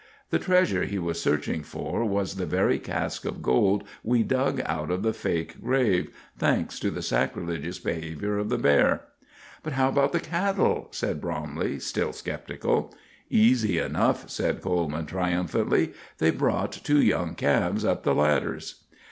The treasure he was searching for was the very cask of gold we dug out of the fake grave thanks to the sacrilegious behavior of the bear." "But how about the cattle?" said Bromley, still skeptical. "Easy enough," said Coleman, triumphantly. "They brought two young calves up the ladders."